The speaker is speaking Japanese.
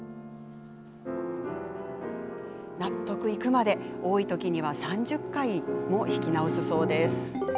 納得いくまで多い時には３０回も弾き直すそうです。